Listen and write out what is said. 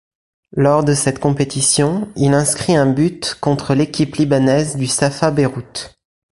Lors de cette compétition, il inscrit un but contre l'équipe libanaise du Safa Beyrouth.